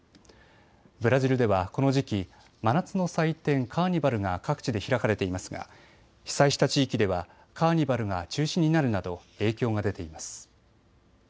ブラジルではこの時期、真夏の祭典、カーニバルが各地で開かれていますが被災した地域ではカーニバルが中止になるなど影響が出ています。